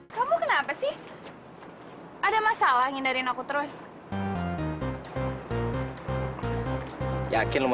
sampai jumpa di video selanjutnya